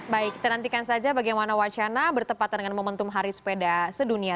baik kita nantikan saja bagaimana wacana bertepatan dengan momentum hari sepeda sedunia